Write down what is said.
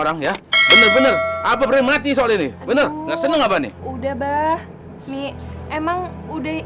orang ya benar benar apa berani mati soal ini bener gak seneng apa nih udah bah mi emang udah